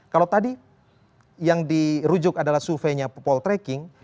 kalau tadi yang dirujuk adalah suvenya paul treking